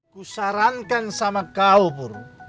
kusarankan sama kau pur